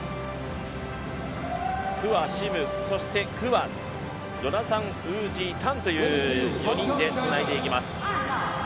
クア、シム、そしてジョナサンウージン・タンという４人でつないでいきます。